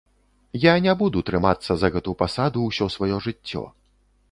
Я не буду трымацца за гэту пасаду ўсё сваё жыццё.